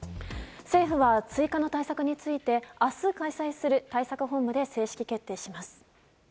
政府は追加の対策について明日、開催する対策本部で正式決定します。